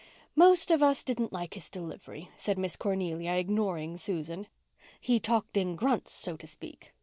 "Most of us didn't like his delivery," said Miss Cornelia, ignoring Susan. "He talked in grunts, so to speak.